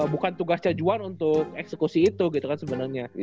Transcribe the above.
bukan tugasnya juan untuk eksekusi itu gitu kan sebenarnya